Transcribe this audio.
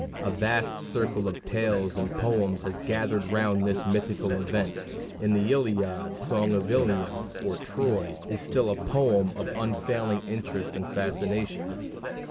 A vast circle of tales and poems has gathered round this mythical event, and the Iliad Song of Ilium, or Troy is still a poem of unfailing interest and fascination.